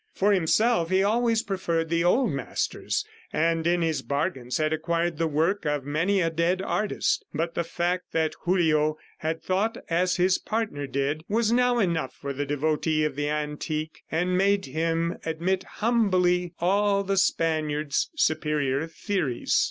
For himself, he always preferred the old masters, and in his bargains had acquired the work of many a dead artist; but the fact that Julio had thought as his partner did was now enough for the devotee of the antique and made him admit humbly all the Spaniard's superior theories.